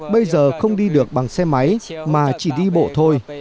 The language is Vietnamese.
bây giờ không đi được bằng xe máy mà chỉ đi bộ thôi